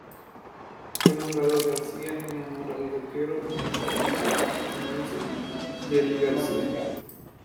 Fue nombrado Garcia en honor al rockero y guitarrista estadounidense Jerry García.